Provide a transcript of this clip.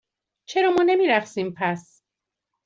چرا ما نمی رقصیم، پس؟